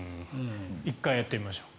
１回やってみましょう。